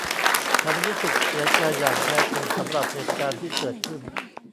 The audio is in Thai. ฉันรู้สึกเสียใจอย่างแท้จริงสำหรับเหตุการณ์ที่เกิดขึ้น